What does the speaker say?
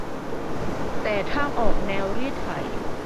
แต่ถ้าออกแนวรีดไถ